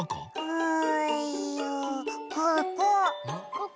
ここ？